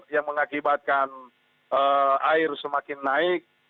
yang mengakibatkan air semakin naik